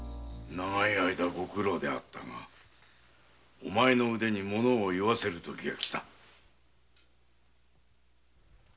長い間ご苦労であったがお前の腕前を見せる時がきた。